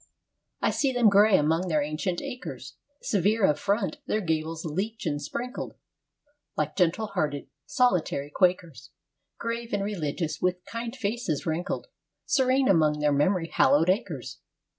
I see them gray among their ancient acres, Severe of front, their gables lichen sprinkled, Like gentle hearted, solitary Quakers, Grave and religious, with kind faces wrinkled, Serene among their memory hallowed acres.